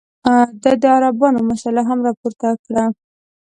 ده د عربانو مسله هم راپورته کړه.